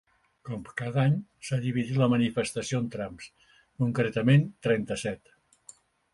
Com cada any, s’ha dividit la manifestació en trams, concretament, trenta-set.